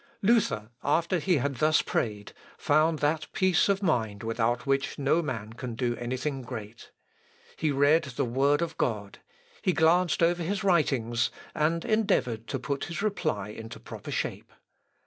Luther, after he had thus prayed, found that peace of mind without which no man can do anything great. He read the Word of God; he glanced over his writings, and endeavoured to put his reply into proper shape.